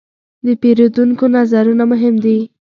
د پیرودونکو نظرونه مهم دي.